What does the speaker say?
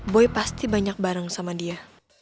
boy pasti banyak bareng sama dia